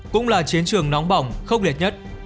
cũng là chiến trường nóng bỏng khốc liệt nhất